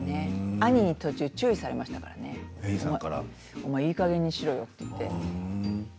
兄に途中注意されましたからねお前、いいかげんにしろよって。